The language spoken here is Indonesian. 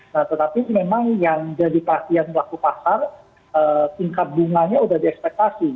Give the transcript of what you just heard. nah tetapi memang yang jadi perhatian pelaku pasar tingkat bunganya sudah diekspektasi